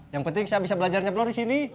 yang penting saya bisa belajar nyetlor di sini